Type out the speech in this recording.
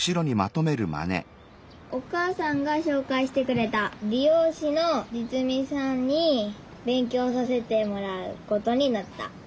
お母さんがしょうかいしてくれたりようしの實美さんにべんきょうさせてもらうことになった。